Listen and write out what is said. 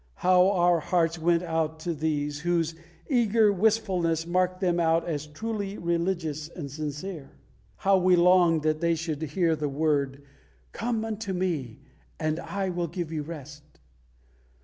How our hearts went out to these, whose eager wistfulness marked them out as truly religious and sincere! How we longed that they should hear the word, "Come unto Me, and I will give you rest"!